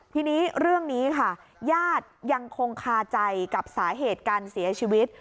ทีนี้เรื่องนี้ค่ะญาติยังคงคาใจกับสาเหตุการเสียชีวิต